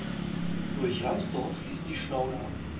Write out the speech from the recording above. Durch Ramsdorf fließt die Schnauder.